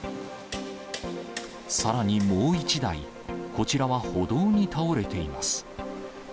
さらにもう１台、こちらは歩道に倒れています。